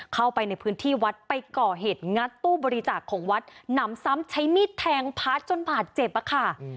เข้าไปในพื้นที่วัดไปก่อเหตุงัดตู้บริจาคของวัดหนำซ้ำใช้มีดแทงพาร์ทจนบาดเจ็บอะค่ะ